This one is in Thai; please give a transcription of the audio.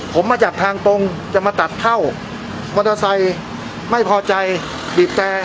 ผมมาจากทางตรงจะมาตัดเข้ามอเตอร์ไซค์ไม่พอใจบีบแต่